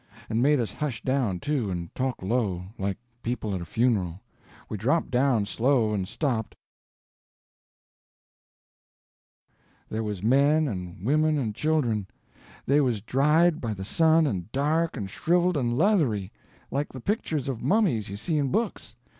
And it made us hush down, too, and talk low, like people at a funeral. We dropped down slow and stopped, and me and Tom clumb down and went among them. There was men, and women, and children. They was dried by the sun and dark and shriveled and leathery, like the pictures of mummies you see in books.